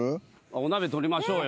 お鍋取りましょうよ。